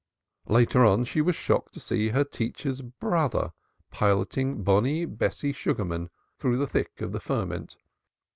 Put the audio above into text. Later on, she was shocked to see her teacher's brother piloting bonny Bessie Sugarman through the thick of the ferment.